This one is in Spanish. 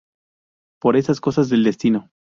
Por esas cosas del destino.